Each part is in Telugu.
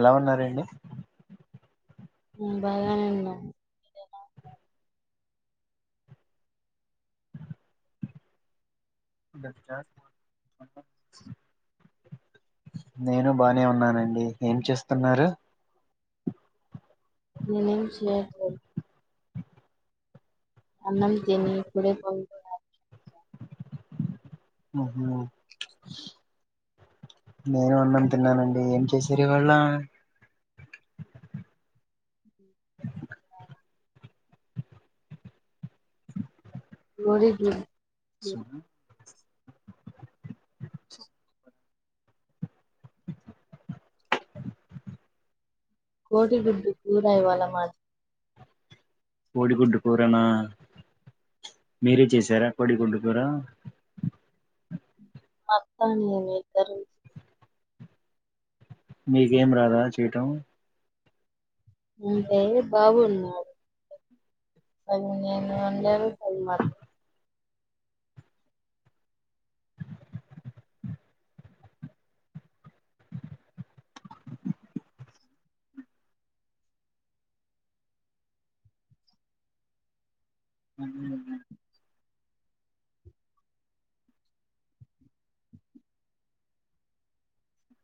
ఎలా ఉన్నారండి బాగానే ఉన్నం మీరు అలా ఉన్నారు నేను బానే ఉన్నానండి ఏం చేస్తున్నారు ననేను చేయట్లేదు అన్నం తిని ఇపుడే పో నేను అన్నం తిన్నానండి ఏం చేసిరు ఇవాళ కోడి గుడ్ కోడి గుడ్డు కూర ఇవాల మాద్ కోడిగుడ్డు కూరనా మీరే చేశారా కోడిగుడు కూరా మా అత్త నేను ఇద్దరం చే మీకేం రాదా చేయటం అంటే బాబు ఉన్నాడు [unintelligible]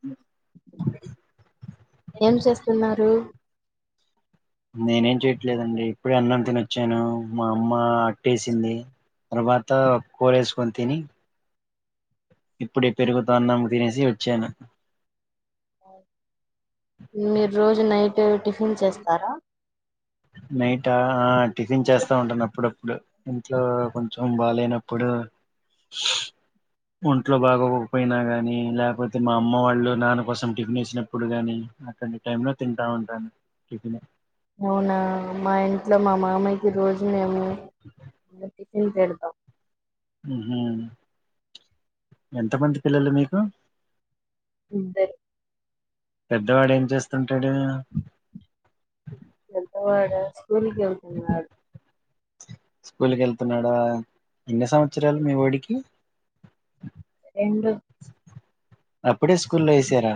అ ఏం చేస్తున్నారు నేనేం చెయట్లేదు అండి ఇప్పుడే అన్నం తిని వొచ్చాను. మా అమ్మ అట్టేసింది. తర్వాత కూర వేసుకొని తిని ఇప్పుడే పెరుగు తో అన్నం తినేసి వచ్చాను మీరు రోజు నైట్ టిఫిన్ చేస్తారా నైట్ ఆ ఆ టిఫిన్ చేస్తా ఉంటాను అప్పుడప్పుడు ఇంట్లో కొంచెం బాలేనప్పుడు ఒంట్లో బాగోకపోయినా గాని లేకపోతే మా అమ్మ వాళ్ళు నాన్న కోసం టిఫిన్ వేసినప్పుడు కాని, అట్లాంటి టైం లో తింటా ఉంటాను టిఫిన్. అవునా మా ఇంట్లో మా మామయ్యకి రోజు మేము ఇంతేడుతం ఉహు ఎంతమంది పిల్లలు మీకు ఇద్దరు పెద్దవాడు ఏం చేస్తుంటాడు పెద్ద వాడా స్కూల్కి వెళ్తున్నాడు స్కూల్కి వెళ్తున్నాడా ఎన్ని సంవత్సరాలు మీ ఓడికి రెండు అప్పుడే స్కూల్లో వేసారా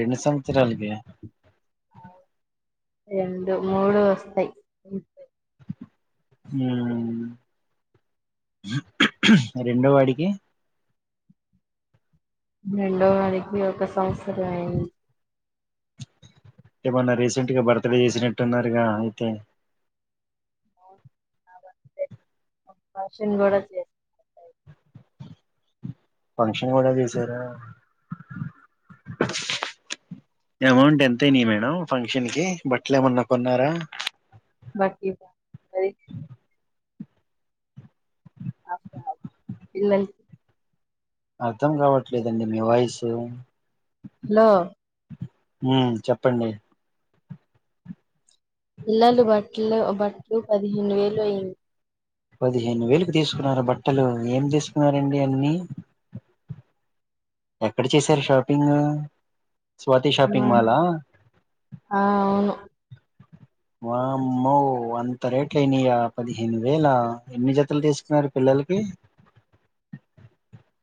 రెండు సంవత్సరాలకి రెండు మూడు వస్తయ్ ఆ రెండో వాడికి రెండో వాడికి ఒక సంవత్సరం అయింది ఏమన్నా రీసెంట్ గా బర్త్ డే చేసినట్టున్నారుగా అయితే ఫషన్ కూడా చేస్తు ఫంక్షన్ కూడా చేసారా అమౌంట్ ఎంత్తెనాయి మేడం ఫంక్షన్ కి బట్టలు ఏమన్నా కొన్నారా బాటి అది పిల్లల్ అర్థం కావట్లేదండి మీ వాయిసు లో హ చెప్పండి పిల్లలు బట్లు బట్ లు పదిహేను వేలు అయ్యింది పదిహేను వేలుకి తీసుకున్నార బట్టలు ఏం చేసుకున్నారండి అన్నీ ఎక్కడ చేశారు షాపింగ్ స్వాతి షాపింగ్ మాల్ ఆ ఆ అవును వామ్మో అంత రేట్లుయినాయ్యా పదిహేను వేల ఎన్ని జతలు తీసుకున్నారు పిల్లలకి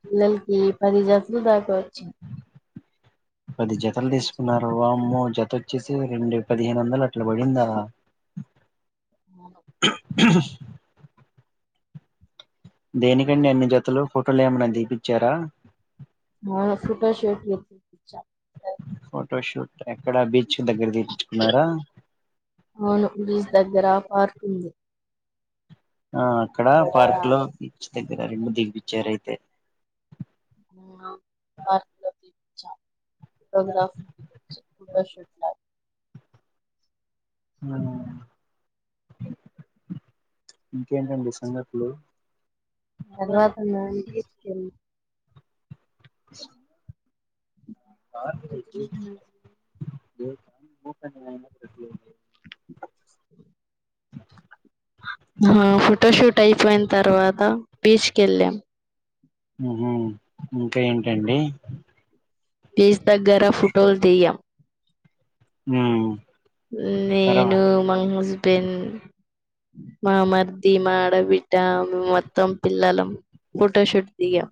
పిల్లలకి పది జతలు దాకా వచ్చిం పది జతలు తీసుకున్నారు వామ్మో జత వచ్చేసి రెండు పదిహేను వందలు అట్ల పడిందా ఆ దేనికండి అన్ని జతలు ఫోటోలు ఏమన్నా దీపిచారా మో ఫోటో షూట్ దీపిచ్చా ఫోటో షూట్ ఎక్కడి అవును బీచ్ దగ్గర పార్కు [unintelligible] ఆ అక్కడ పార్క్ లో [unintelligible] రెండు తినిపిచ్చారైతే అవును పార్కలో తినిపిచ్చాం. ఫోటోగ్రాఫర్ని పిలిచి ఫోటో షూట్ [unintelligible] ఇంకేంటండి సంగతులు తర్వాత నాన్ బీచ్కెల్ల స హా ఈ రోజు అయినంక అహ ఫోటోషూట్ అయిపోయిన తర్వాత బీచ్కేళ్ళాం. ఉహు ఇంకా ఏంటండి. పీజ్ దగ్గర ఫోటోలు తియ్యం. ఊ నేను మా హస్బ్ బెండ్ మా మర్ది మా ఆడబిడ్డ మొత్తం పిల్లలం ఫోటోషూట్ దిగాం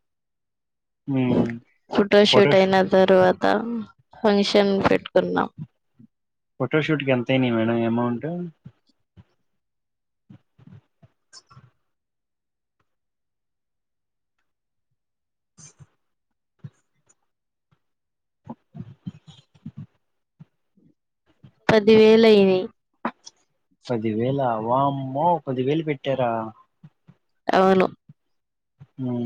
ఉమ్ ఫోటోషూట్ ఫోటోష్ అయినా తరువాత ఫంక్షన్ పెట్టుకున్నాం ఫోటోషూట్కి ఎంతయినీయి మేడం అమౌంట్ పదివేలయినయి. పదివేలా వామ్మో పదివేలు పెట్టారా అవును. ఊ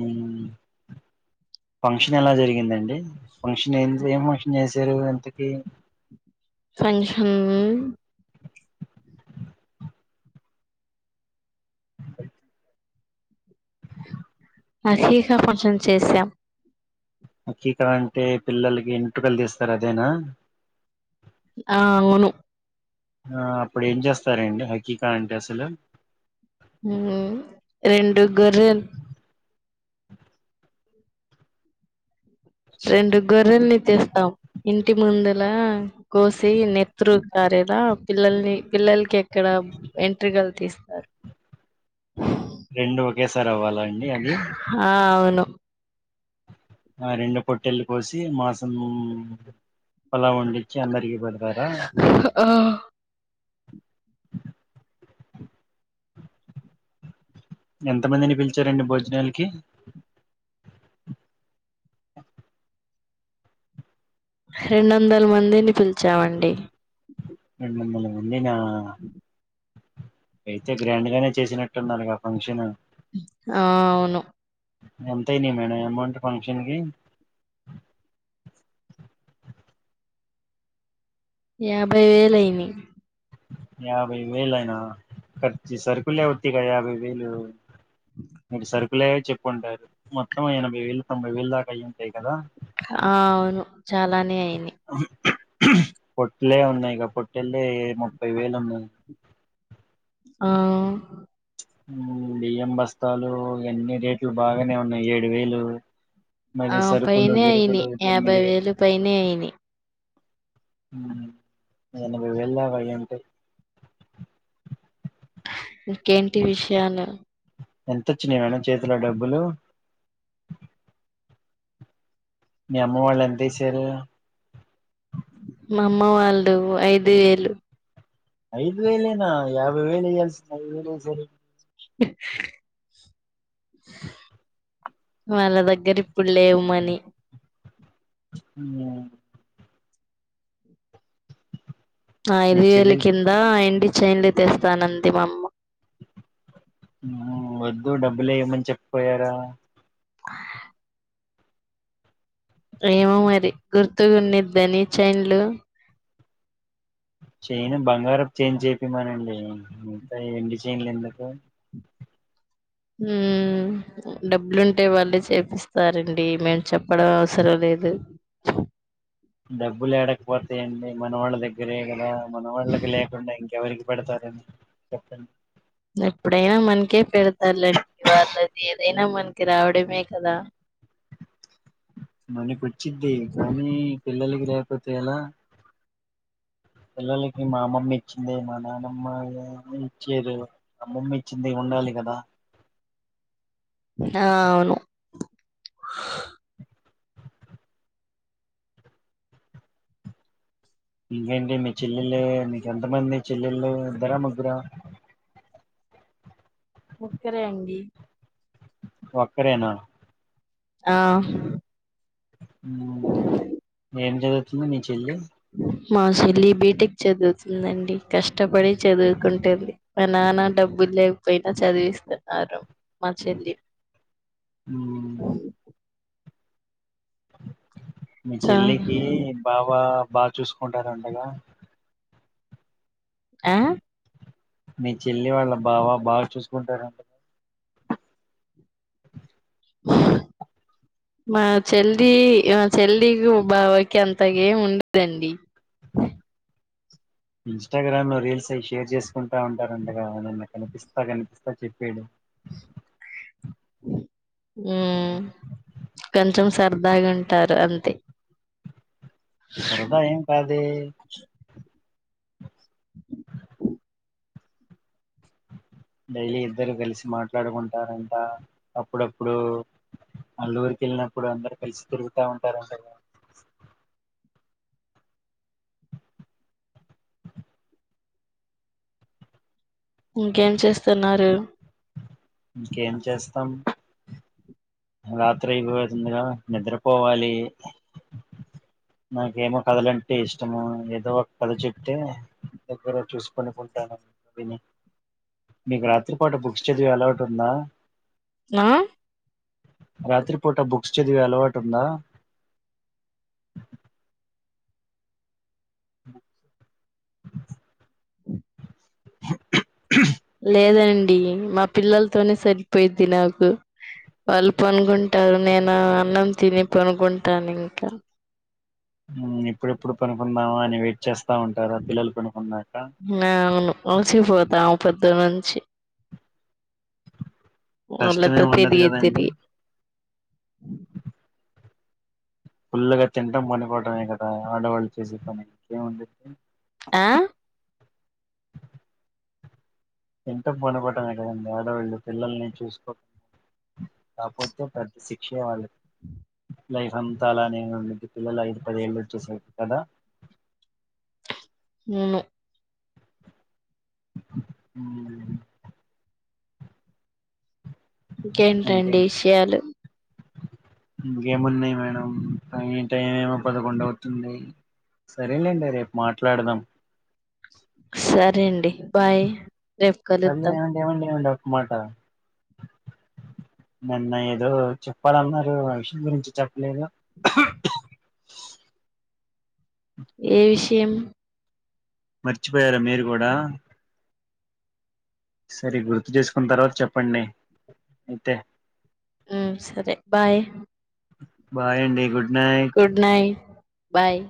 ఫంక్షన్ ఎలా జరిగిందండి ఫంక్షన్ ఏం ఏం ఫంక్షన్ చేసారు ఇంతకీ ఫంక్షన్ అ హకిక ఫంక్షన్ చేసాం హాక్కిక అంటే పిల్లలకి ఇంటుకలు తీస్తారు అదేనా ఆ అవును. ఆ అప్పుడు ఏం చేస్తారండి హకీకా అంటే అసలు ఊ రెండు గొర్రెల్ రెండు గొర్రెల్ని తేస్తాం ఇంటి ముందులా కోసి నేత్రు కారేద పిల్లల్ని పిల్లలకి ఎక్కడ ఎంట్రుకలు తీస్తారు రెండు ఒకేసారి అవ్వాల ఆ అవును. ఆ రెండు పొట్టెల్లు కోసి మాంసం పలావ్వండిచ్చి అందరికి పెడతారా ఎంతమందిని పిలిచారండి భోజనాలకి రెండు వందల మందిని పిలిచామండి. రెండు వందల మంద్ మంది నా అయితే గ్రాండ్ గానే చేసినట్టున్నారులుగా ఫంక్షన్ ఆ అవును అ మే అమౌంట్ షం యాభై వేల అయిని యాభై వేలు అయినా ఖర్చ సరుకులే వతి క యాభై వేలు మీ సరి ప్పులేవో చెప్పుంటారు మొత్తం ఎనభై వేలు తొంభై వేలు దాకా అయి ఉంటాయి కదా ఆ అవును చాలానే అయి [inaudible] ఇలే ఉన్నాయి కాబొట్టెళ్ళి ముప్పై వేలు ఉన్నాయి ఆ బియ్యం బస్తాలు ఎన్ని రేట్లు బాగానే ఉన్నాయి ఏడు వేలు మరి ఆ సరుకులు పైనే అయిని గిరుకులు యాభై వేలు పైనే అయిని యేనబాయ్ వెళ్ళావ ఏంట ఇంకేంటి విషయాలు ఎంతొచ్చినయి మేడం చేతిలో డబ్బులు మీ అమ్మ వాళ్ళ ఎంత వేసారు మా అమ్మ వాళ్ళ ఐదు వేళ ఐదు వేలేనా యాభై వేలే కల్సిన ఐదు వేలే సరే వాళ్ళ దగ్గర ఇప్పుడు లేవుమని ఆ మీ ఐదు వేల చెల్లెలు కింద అడి చైన్లు తెస్తాను అంతిమమ్మ వద్దు డబ్బులేయమని చెప్పపోయారా [inaudible] ఏమో మరి గుర్తుగా ఉండదిని చైన్లు చను బంగారపు చేన్ చేపిమానండి మితా ఎండి చేన్లు ఎందుకు డబ్బులుంటే వాళ్ళే చేపిస్తారండి మేము చెప్పడం అవసరం లేదు డబ్బులు లేడకపోతాయండి మన వాళ్ళ దగ్గర దరే కదా మన వాళ్ళకి లేకుండా ఇంకెవరికి పెడతారంని చెప్పండి ఎప్పుడైనా మనకే పెడతారులండి వాళ్ళది ఏదైనా మనకి రావడమే కదా మనకు వచ్చద్దే కానీ పిల్లకి రేపత ఏలా పిల్లలకి మా అమ్మమ్మ ఇచ్చింది మా నానమ్మ ఇచ్చారు అమ్మమ్మ ఇచ్చింది ఉండాలి కదా ఆ అవును ఇంకేంటి మీ చెల్లెల్ళ మీక ఎంతమంది చెల్లెళ్ళు ఇద్దరా ముగ్గుర ఒక్కరే అండి ఒక్కరే నా ఆ హు ఏం చదువుతుంది నెక్స్ట్ ఏంది మా చెల్లి బీటెక్ చదువుతుందండి కష్టపడి చదువుకుంటుంది మా నాన్న డబ్బులు లేకపోయినా చదివిస్తున్నారు మా చెల్లి ఊ మీ చా చెల్లికి బావ బాగా చూసుకుంటార అండగా ఆ మీ చెల్లి వాళ్ల బావ బాగా చూసుకుంటారా ఉహ్ మా చెల్లి ఆ చెల్లి యు బావకి అంత ఏం ఉండదండి ఇన్స్టాగ్రామ్ లో రీల్స్ అయి షేర్ చేసుకుంటా ఉంటారంటగా నన్ను కనిపిస్తా కనిపిస్తా చెప్పాడు ఉ కొంచెం సరదాగుంటారు అంతే సరదా ఏం కాదే డైలీ ఇద్దరు కలిసి మాట్లాడుకుంటారంటా అప్పుడప్పుడు వల్లూరికి వెళ్ళినప్పుడు అందరు కలిసి తిరుగుతా ఉంటారుంటగా ఇంకేం చేస్తున్నారు ఇంకేం చేస్తాం రాత్రి ఇపోతుందిగా నిద్రపోవాలి నాకేమో కథలంటే ఇష్టము ఏదో ఒక కథ చెప్తే దగ్గర చూసి పడుకుంటాను విని మీకు రాత్రి పూట బుక్ బుక్స్ చదివే అలవాటు ఉందా ఆ రాత్రిపూట బుక్స్ చదివే అలవాటు ఉందా బుక్స్ ఉఫ్ లేదండి అండి మా పిల్లలతోనే సరిపోయిద్ది నాకు వాళ్ళు పనుకుంటారు నేను అన్నం తిని పనుకుంటాను ఇంకా హు ఎప్పుడు ఎప్పుడు పనుకుం మామ నేను వెయిట్ చేస్తా బాగుంటారా పిల్లలు పడుకున్నాక అలసి పోతాం పొద్దుననుంచి వాళ్ళ ఇద్దరు కష్టమేమి ఉండదు తిరిగి కదండి తిరిగి ఫుల్లుగా తినడం పనుకోవడమే కదా ఆడవాళ్ళు చేసే పని ఇంకేముంది ఆ తింటాం పనుకోవడమే కదండి ఆడవాళ్లు పిల్లల్ని చూసుకోకపోతే పెద్ద శిక్షే వాళ్ళకి లైఫ్ అంతా అలానే ఉండి పిల్లలు ఐదు పదేళ్ళు వచ్చేసరికి కదా నో నో ఊ ఇంకే ఇంకేంటండి విషయాలు ఇంకేమున్నాయి మేడం ఆ టైం పదకొండు అవుతుంది. సరేలేండి రేపు మాట్లాడుదాం. సార్ సరేండి బాయ్ రేపు అదే కలుద్దాం. ఏమండి ఏమండి ఏమండి ఒక్క మాట నిన్న ఏదో చెప్పాలన్నారు. ఆ విషయం గురించి చెప్ప లేదు. ఏ విషయం మర్చిపోయారా మీరు గూడా సరే గుర్తు చేసుకున్న తర్వాత చెప్పండి. అయితే మ్ సరే బాయ్ బాయండి good night good night bye